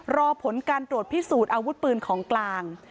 รอผลการตรวจพิสูจน์อาวุธปืนของกลาง